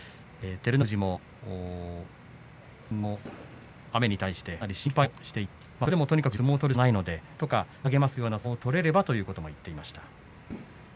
照ノ富士も山陰の雨に対してかなり心配をしていてそれでもとにかく自分は相撲を取るしかないのでなんとか励ますような相撲を取れればということを言っていました。